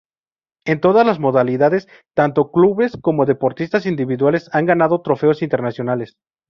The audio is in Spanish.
En todas las modalidades, tanto clubes como deportistas individuales han ganado trofeos internacionales.